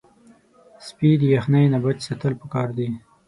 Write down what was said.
سپي د یخنۍ نه بچ ساتل پکار دي.